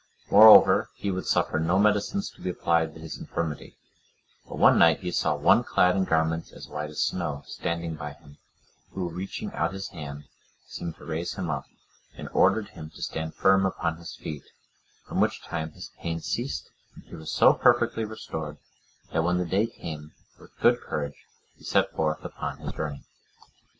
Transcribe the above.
Moreover, he would suffer no medicines to be applied to his infirmity; but one night he saw one clad in garments as white as snow, standing by him, who reaching out his hand, seemed to raise him up, and ordered him to stand firm upon his feet; from which time his pain ceased, and he was so perfectly restored, that when the day came, with good courage he set forth upon his journey.